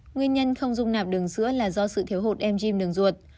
nguyên nhân không dùng nạp đường sữa là do sự thiếu hụt mgm đường ruột